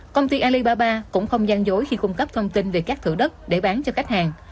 công ty alibaba cũng không gian dối khi cung cấp thông tin về các thử đất để bán cho khách hàng